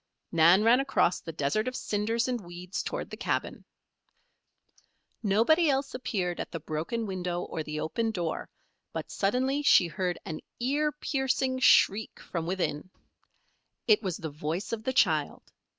Nan ran across the desert of cinders and weeds toward the cabin. Nobody else appeared at the broken window or the open door, but suddenly she heard an ear piercing shriek from within. It was the voice of the child.